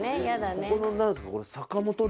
ここの何ですか。